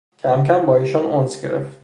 کم کم باایشان انس گرفت